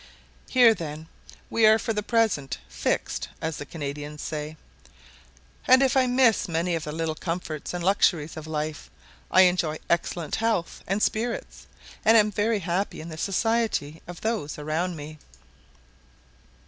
Here then we are for the present fixed, as the Canadians say; and if I miss many of the little comforts and luxuries of life, I enjoy excellent health and spirits, and am very happy in the society of those around me.